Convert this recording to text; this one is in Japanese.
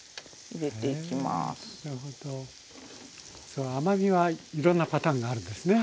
その甘みはいろんなパターンがあるんですね。